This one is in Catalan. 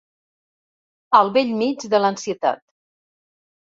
Al bell mig de l'ansietat.